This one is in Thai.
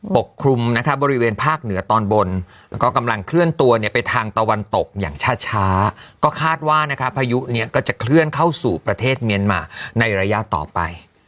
กลุ่มนะคะบริเวณภาคเหนือตอนบนแล้วก็กำลังเคลื่อนตัวเนี่ยไปทางตะวันตกอย่างช้าก็คาดว่านะคะพายุเนี่ยก็จะเคลื่อนเข้าสู่ประเทศเมียนมาในระยะต่อไป